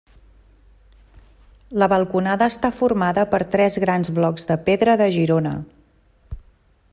La balconada està formada per tres grans blocs de pedra de Girona.